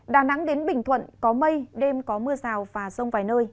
đà nẵng đến bình thuận có mây đêm có mưa rào và rông vài nơi